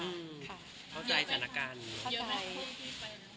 เข้าใจสถานการณ์